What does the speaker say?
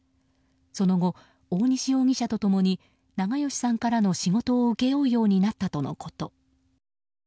その後、大西容疑者と共に長葭さんからの仕事を請け負うようになったとのこと。